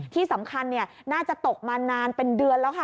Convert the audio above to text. ที่สำคัญน่าจะตกมานานเป็นเดือนแล้วค่ะ